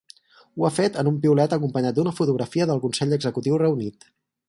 Ho ha fet en un piulet acompanyat d’una fotografia del consell executiu reunit.